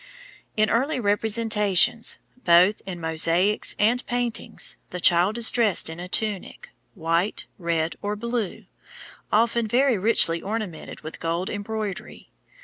In early representations, both in mosaics and paintings, the Child is dressed in a tunic, white, red, or blue, often very richly ornamented with gold embroidery.